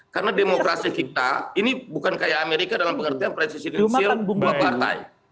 karena demokrasi kita ini bukan kayak amerika dalam pengertian presidensial dua partai